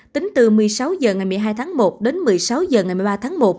tính từ một mươi sáu h ngày một mươi hai tháng một đến một mươi sáu h ngày một mươi ba tháng một